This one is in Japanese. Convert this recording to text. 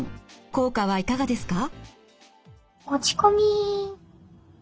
効果はいかがですか？